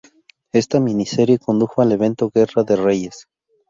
Esta miniserie condujo al evento Guerra de Reyes.